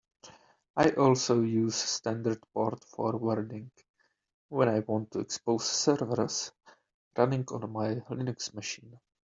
I also use standard port forwarding when I want to expose servers running on my Linux machine.